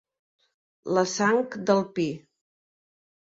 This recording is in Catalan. La Sang del Pi.